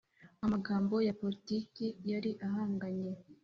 amagambo ya poritiki yari ahanganye